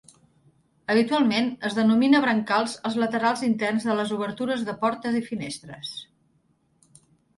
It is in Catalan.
Habitualment, es denomina brancals als laterals interns de les obertures de portes i finestres.